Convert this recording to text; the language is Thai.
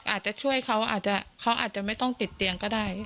อาจจะช่วยเขาอาจจะเขาอาจจะไม่ต้องติดเตียงก็ได้